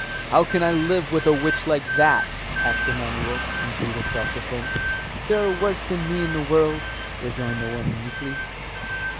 "How can I live with an old witch like that?" asked Emanuel, in brutal self defence. "There are worse than me in the world," rejoined the woman meekly.